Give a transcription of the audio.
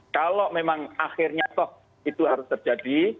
kalau memang akhirnya toh itu harus terjadi